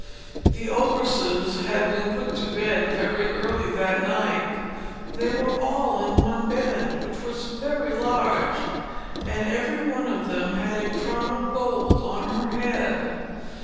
The Ogresses had been put to bed very early that night; they were all in one bed, which was very large, and every one of them had a crown of gold on her head.